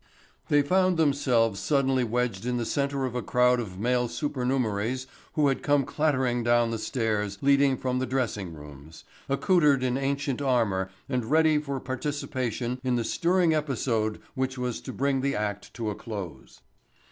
They found themselves suddenly wedged in the center of a crowd of male supernumeraries who had come clattering down the stairs leading from the dressing rooms, accoutered in ancient armour and ready for participation in the stirring episode which was to bring the act to a close.